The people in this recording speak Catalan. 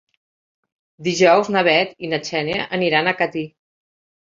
Dijous na Bet i na Xènia aniran a Catí.